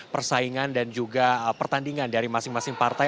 persaingan dan juga pertandingan dari masing masing partai